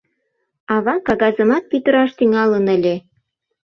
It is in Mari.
Ава кагазымат пӱтыраш тӱҥалын ыле.